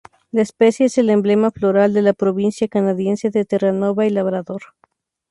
La especie es el emblema floral de la Provincia canadiense de Terranova y Labrador.